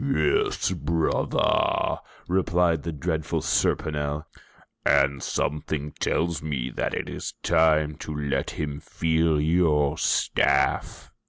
"Yes, brother," replied the dreadful Serponel. "And something tells me that it is time to let him feel your staff."